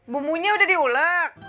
bumbunya udah diulek